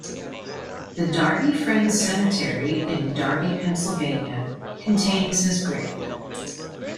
The Darby Friends Cemetery in Darby, Pennsylvania contains his grave.